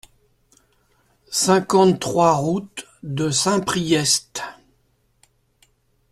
cinquante-trois route de Saint-Priest